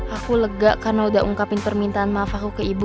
aku lega karena udah ungkapin permintaan maaf aku ke ibu